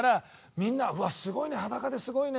みんな「すごいね裸ですごいね。